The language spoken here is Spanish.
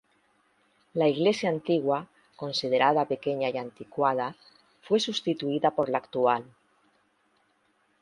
La iglesia antigua, considerada pequeña y anticuada, fue sustituida por la actual.